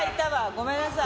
ごめんなさい。